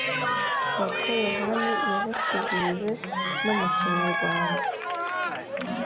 Papa Yohani yabasuhuje no mu kinyarwanda